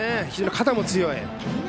肩も強い。